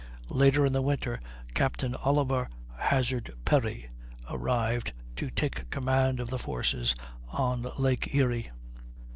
Later in the winter Captain Oliver Hazard Perry arrived to take command of the forces on Lake Erie.